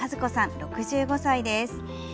６５歳です。